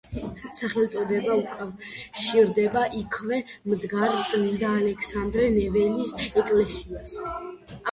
სახელწოდება უკავშირდება იქვე მდგარ წმინდა ალექსანდრე ნეველის ეკლესიას.